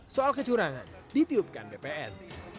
soal kecurangan ditiupkan bpn